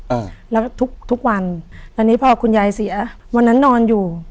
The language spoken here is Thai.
อ่าแล้วทุกทุกวันตอนนี้พอคุณยายเสียวันนั้นนอนอยู่